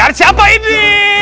hadiah siapa ini